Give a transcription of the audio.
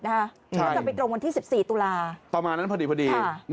ก็จะไปตรงวันที่๑๔ตุลาประมาณนั้นพอดี